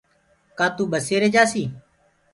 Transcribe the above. ڪآ تو ٻسيري جآسي؟